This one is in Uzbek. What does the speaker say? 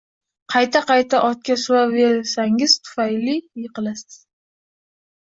Qayta-qayta ortga suraverishingiz tufayli yiqilasiz.